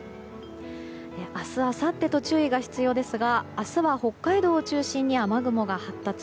明日あさってと注意が必要ですが明日は北海道を中心に雨雲が発達。